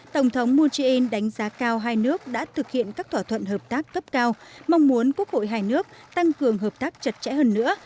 tổng thống moon jae in đánh giá cao hai nước đã thực hiện các thỏa thuận hợp tác cấp cao mong muốn quốc hội hai nước tăng cường hợp tác chặt chẽ hơn nữa